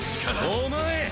お前！